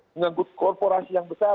menyangkut korporasi yang besar